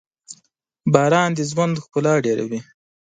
• باران د ژوند ښکلا ډېروي.